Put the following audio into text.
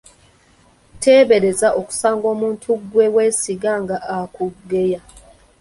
Teebereza okusanga omuntu gwe weesiga nga akugeya!